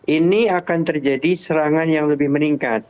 ini akan terjadi serangan yang lebih meningkat